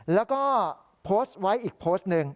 แล้วก็โพสต์ไว้อีกโพสต์หนึ่ง